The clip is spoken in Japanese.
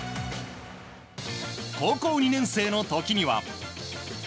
高校２年生の時には。